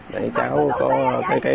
để cháu có cái oxy